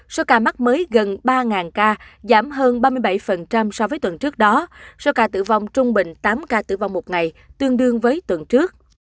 số ca mắc mới gần ba ca giảm hơn ba mươi bảy so với tuần trước đó số ca tử vong trung bình tám ca tử vong một ngày tương đương với tuần trước